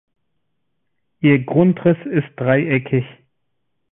Ihr Grundriss ist dreieckig.